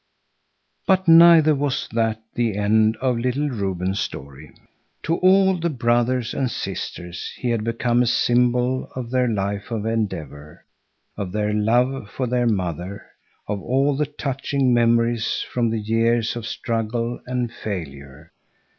But neither was that the end of little Reuben's story. To all the brothers and sisters he had become a symbol of their life of endeavor, of their love for their mother, of all the touching memories from the years of struggle and failure.